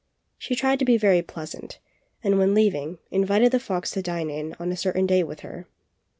She tried to be very pleasant, and when leaving, invited the fox to dine on a certain day with her.